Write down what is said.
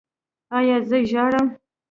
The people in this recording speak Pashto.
ایا زه ژاړم؟